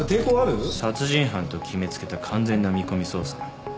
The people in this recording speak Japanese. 殺人犯と決め付けた完全な見込み捜査。